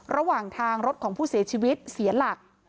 ระหว่างทางรถของผู้เสียชีวิตเสียหลัก